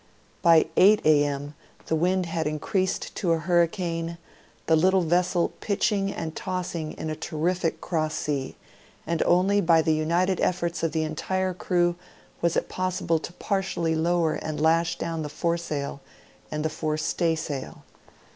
By 8 A. M. the wind had increased to a hurricane, the little vessel pitching and tossing in a terrific cross sea, and only by the iinited efforts of the entire crew was it possible to partially lower and lash down the foresail and fore staysail.